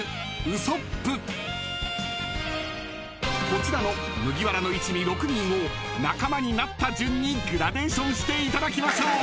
［こちらの麦わらの一味６人を仲間になった順にグラデーションしていただきましょう］